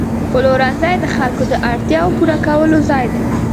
پلورنځی د خلکو د اړتیاوو پوره کولو ځای دی.